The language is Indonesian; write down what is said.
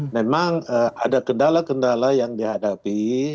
memang ada kendala kendala yang dihadapi